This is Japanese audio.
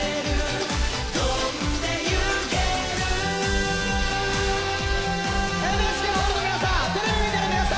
ＮＨＫホールの皆さんテレビ見てる皆さん声出してください！